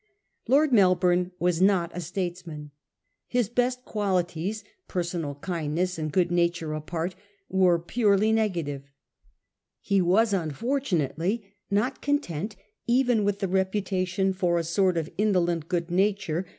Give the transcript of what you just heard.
Lord Melbourne was not a statesman. His best qualities, personal kindness and good nature apart, were purely negative. He was unfortunately not content even with the reputation for a sort of indolent good nature 1837. LORD MELBOURNE.